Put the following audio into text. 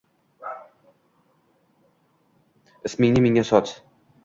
ismingni menga sot